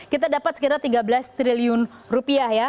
kita dapat sekitar tiga belas triliun rupiah ya